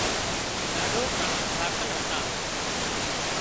ڏاڏو پڻ ٿاڪل هتا